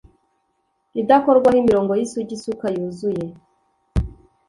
idakorwaho imirongo yisugi isuka yuzuye